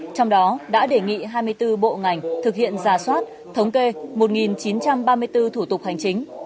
trong đó đã đề nghị hai mươi bốn bộ ngành thực hiện giả soát thống kê một chín trăm ba mươi bốn thủ tục hành chính